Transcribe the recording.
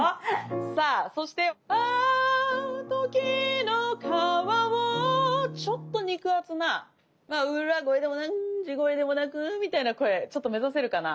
さあそしてああときのかわをちょっと肉厚な裏声でも地声でもなくみたいな声ちょっと目指せるかな。